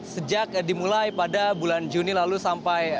sejak dimulai pada bulan juni lalu sampai hari ini